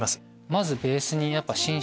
まずベースに心身。